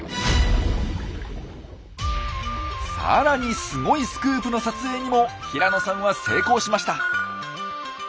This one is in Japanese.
さらにすごいスクープの撮影にも平野さんは成功しました。